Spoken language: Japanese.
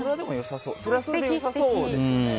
それはそれで良さそうですよね。